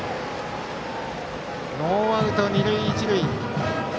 ノーアウト二塁一塁。